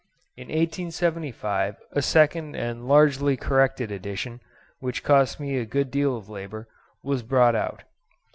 In 1875 a second and largely corrected edition, which cost me a good deal of labour, was brought out.